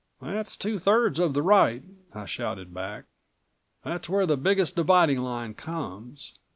"That's two thirds of the right," I shouted back. "That's where the biggest dividing line comes.